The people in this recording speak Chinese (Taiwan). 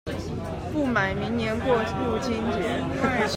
不買，明年過父親節